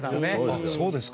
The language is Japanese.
あっそうですか。